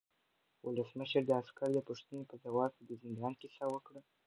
ولسمشر د عسکر د پوښتنې په ځواب کې د زندان کیسه وکړه.